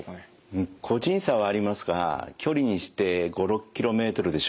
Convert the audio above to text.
個人差はありますが距離にして５６ｋｍでしょうか。